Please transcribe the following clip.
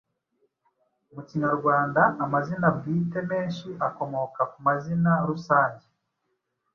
Mu Kinyarwanda amazina bwite menshi akomoka ku mazika rusange.